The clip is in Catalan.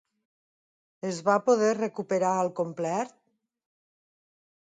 Es va poder recuperar al complet?